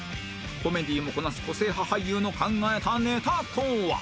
コメディーもこなす個性派俳優の考えたネタとは？